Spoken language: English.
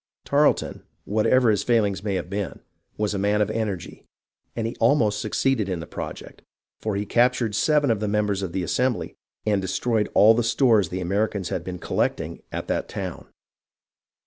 Tarleton, whatever his fail ings may have been, was a man of energy, and he almost succeeded in this project, for he captured seven of the members of the Assembly and destroyed all the stores the Americans had been collecting at that town.